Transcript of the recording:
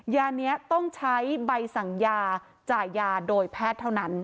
ยานี้ต้องใช้ใบสั่งยาจ่ายยาโดยแพทย์เท่านั้น